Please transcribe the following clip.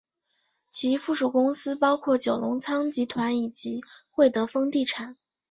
其附属公司包括九龙仓集团以及会德丰地产。